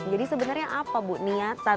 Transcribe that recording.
jadi sebenarnya apa bu niatan